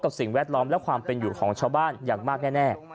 สิ่งแวดล้อมและความเป็นอยู่ของชาวบ้านอย่างมากแน่